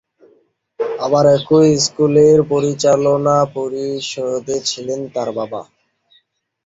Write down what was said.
আবার একই স্কুলের পরিচালনা পরিষদে ছিলেন তার বাবা।